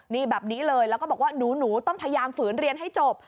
นี่แบบนี้เลยแล้วก็บอกว่าหนูต้องพยายามฝืนเรียนให้จบ